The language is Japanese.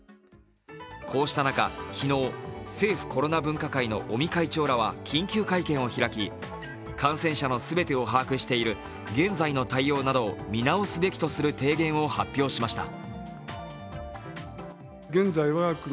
こうした中、昨日、政府コロナ分科会の尾身会長らは緊急会見を開き感染者の全てを把握している見直すべきとする提言を発表しました。